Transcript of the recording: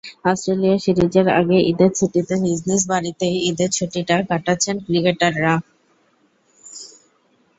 Australia সিরিজের আগে ঈদের ছুটিতে নিজ নিজ বাড়িতেই ঈদের ছুটিটা কাটাচ্ছেন ক্রিকেটাররা।